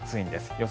予想